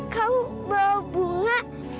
kamu bawa bunga